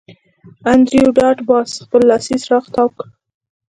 انډریو ډاټ باس خپل لاسي څراغ تاو کړ